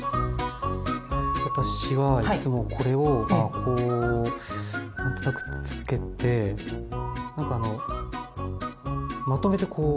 私はいつもこれをまあこう何となくつけてなんかあのまとめてこう。